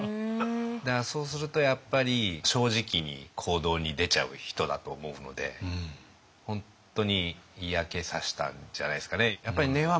だからそうするとやっぱり正直に行動に出ちゃう人だと思うので本当に嫌気さしたんじゃないですかね。